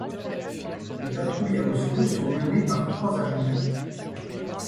Les patrouilles à Oslo sont menées par trois agents.